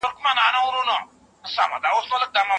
سبا تاج دی د نړۍ پر سر افسر دی